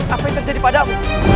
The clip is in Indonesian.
apa yang terjadi padamu